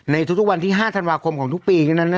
ในทุกวันที่๕ธันวาคมของทุกปีเท่านั้นนะ